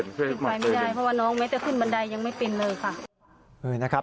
ขึ้นไปไม่ได้เพราะว่าน้องแม้จะขึ้นบันไดยังไม่เป็นเลยค่ะ